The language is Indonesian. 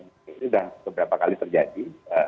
ini sudah beberapa kali terjadi